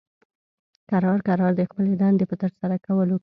کرار کرار د خپلې دندې په ترسره کولو کې